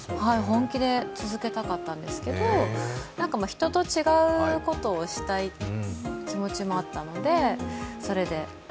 本気でつづけたかったんですけど、人と違うことをしたい気持ちあったので、それで。